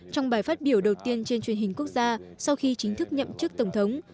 trong bài phát biểu đầu tiên trên truyền hình quốc gia sau khi chính thức nhậm chức tổng thống